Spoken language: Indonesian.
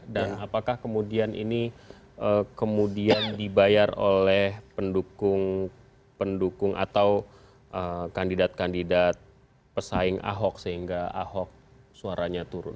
dan apakah kemudian ini kemudian dibayar oleh pendukung atau kandidat kandidat pesaing ahok sehingga ahok suaranya turun